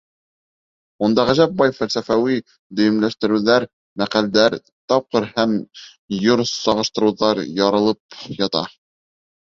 Унда ғәжәп бай фәлсәфәүи дөйөмләштереүҙәр, мәҡәлдәр, тапҡыр һәм йор сағыштырыуҙар ярылып ята: